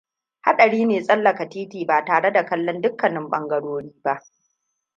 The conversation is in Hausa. Haɗari ne tsallaka titi ba tare da kallon dukkanin ɓangarori ba.